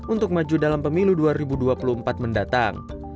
untuk maju dalam pemilu dua ribu dua puluh empat mendatang